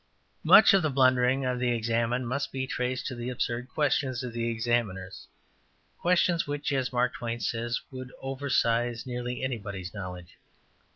'' Much of the blundering of the examined must be traced to the absurd questions of the examiners questions which, as Mark Twain says, ``would oversize nearly anybody's knowledge.''